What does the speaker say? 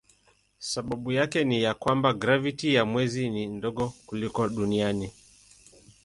Sababu yake ni ya kwamba graviti ya mwezi ni ndogo kuliko duniani.